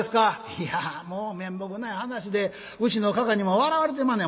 「いやもう面目ない話でうちのかかにも笑われてまんねん。